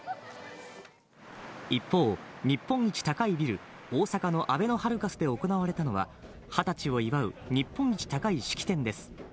一方、日本一高いビル、大阪のあべのハルカスで行われたのは二十歳を祝う日本一高い式典です。